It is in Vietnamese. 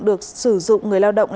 được sử dụng người lao động